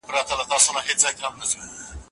حکومتونه د کارګرانو لپاره څه شرایط ټاکي؟